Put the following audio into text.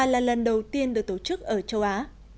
là lần đầu tiên được tổ chức ở châu á